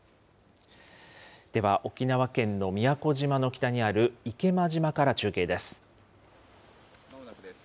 では、沖縄県の宮古島の北にある池間島から中継です。